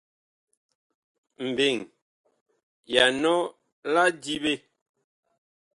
Mbeŋ ya nɔ la diɓe.